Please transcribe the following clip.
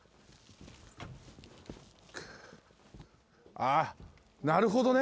あ、なるほどね。